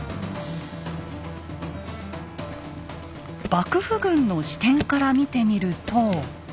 幕府軍の視点から見てみると。